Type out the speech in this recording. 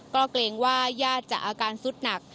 ก็เกรงว่าญาติจะอาการสุดหนัก